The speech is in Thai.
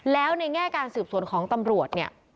แล้วในแง่การสืบสวนของตำรวจเนี่ย